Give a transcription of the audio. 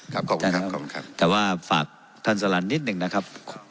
ขอบคุณครับขอบคุณครับแต่ว่าฝากท่านสลันนิดหนึ่งนะครับ